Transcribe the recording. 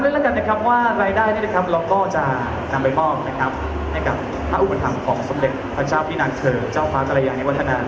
เราก็จะนำไปมองนะครับให้กับอุปกรณ์ธรรมของสมเด็จพระเจ้าพินัทเกิร์ตเจ้าฟ้าตลาดอย่างให้วัฒนา